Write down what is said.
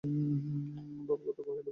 ভাগবত কহিল, বটে?